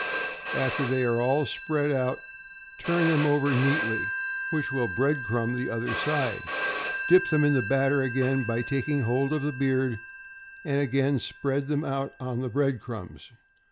After they are all spread out, turn them over neatly, which will bread crumb the other side. Dip them in the batter again by taking hold of the beard, and again spread them out on the bread crumbs.